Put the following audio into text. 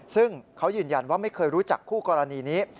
ซึ่งเขายืนยันว่าไม่เคยรู้จักคู่กรณีนี้